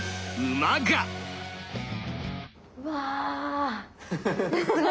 うわ！